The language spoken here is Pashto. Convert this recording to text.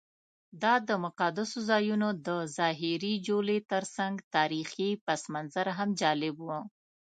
دا د مقدسو ځایونو د ظاهري جولې ترڅنګ تاریخي پسمنظر هم جالب و.